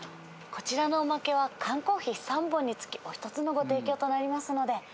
こちらのおまけは缶コーヒー３本につきお一つのご提供となりますので。